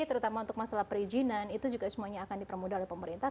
terutama untuk masalah perizinan itu juga semuanya akan dipermudah oleh pemerintah